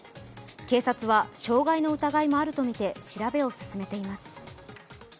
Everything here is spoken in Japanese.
警察は傷害の疑いもあるとみて調を進めています。